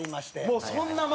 もうそんな前？